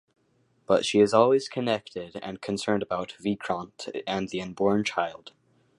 But she is always connected and concerned about Vikrant and the unborn child.